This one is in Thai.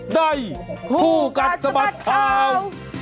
ได้ผู้กันสมัครข่าว